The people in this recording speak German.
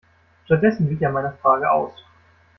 Stattdessen wich er meiner Frage aus.